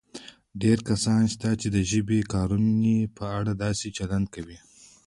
ډېر کسان شته چې د ژبې د کارونې په اړه داسې چلند کوي